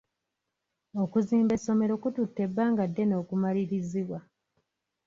Okuzimba essomero kututte ebbanga ddene okumalirizibwa.